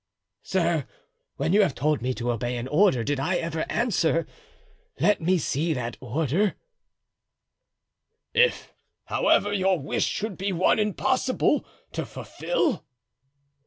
"Sir, when you have told me to obey an order did I ever answer, 'Let me see that order'?" "If, however, your wish should be one impossible to fulfill?"